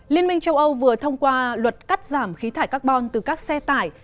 liên minh châu âu vừa thông qua luật cắt giảm khí thải carbon từ các xe tải